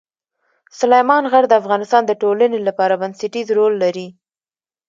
سلیمان غر د افغانستان د ټولنې لپاره بنسټيز رول لري.